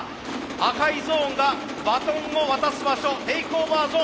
赤いゾーンがバトンを渡す場所テイクオーバーゾーン。